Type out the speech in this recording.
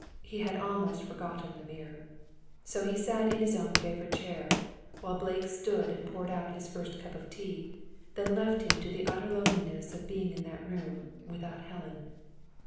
He had almost forgotten the mirror. So he sat in his own favourite chair, while Blake stood and poured out his first cup of tea, then left him to the utter loneliness of being in that room without Helen.